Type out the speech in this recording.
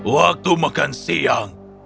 waktu makan siang